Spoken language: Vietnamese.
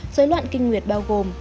dối loạn kinh nguyệt bao gồm